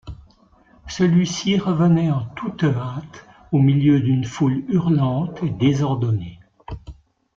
Celui-ci revenait en toute hâte, au milieu d’une foule hurlante et désordonnée.